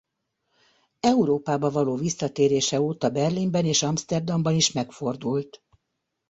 Európába való visszatérése óta Berlinben és Amszterdamban is megfordult.